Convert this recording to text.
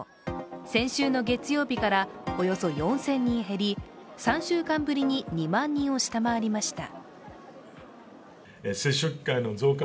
先週の月曜日からおよそ４０００人減り、３週間ぶりにおよそ２万人を下回りました。